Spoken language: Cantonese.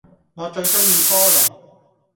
我最鍾意菠蘿